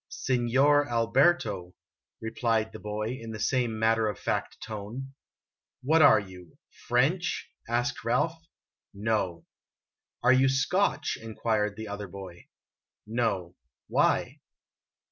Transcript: " Signor Alberto," replied the boy, in the same matter of fact tone. " What are you ? French ?" asked Ralph. " No. Are you Scotch ?" inquired the other boy. " No. Why